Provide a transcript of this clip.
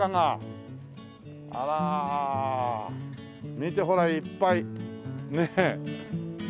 見てほらいっぱいねえ。